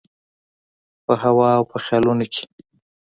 په هوا او په خیالونو کي